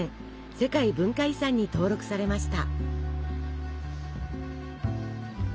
世界文化遺産に登録されました。